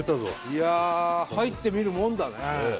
いや入ってみるもんだね。ねぇ。